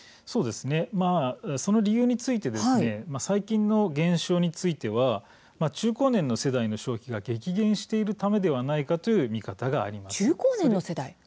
その理由について最近の減少については中高年の世代の消費が激減しているためではないかという見方があります。